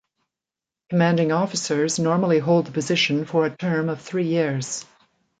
Commanding Officers normally hold the position for a term of three years.